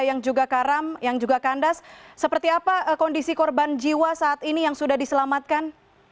yang juga karam yang juga kandas seperti apa kondisi korban jiwa saat ini yang sudah diselamatkan